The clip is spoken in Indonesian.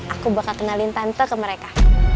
aku bakal kenalin tante ke mereka